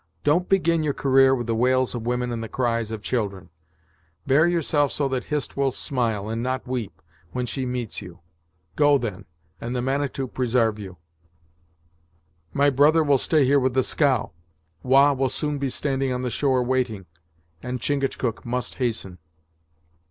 Don't begin your career with the wails of women and the cries of children. Bear yourself so that Hist will smile, and not weep, when she meets you. Go, then; and the Manitou presarve you!" "My brother will stay here with the scow. Wah will soon be standing on the shore waiting, and Chingachgook must hasten."